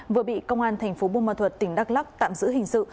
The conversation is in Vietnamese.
vừa bị công an thành phố bù mà thuật tỉnh đắk lắk tạm giữ hình sự